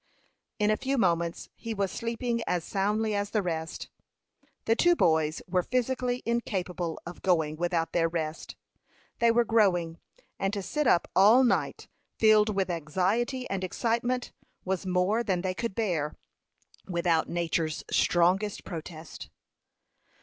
In a few moments he was sleeping as soundly as the rest. The two boys were physically incapable of going without their rest. They were growing, and to sit up all night, filled with anxiety and excitement, was more than they could bear without Nature's strongest protest.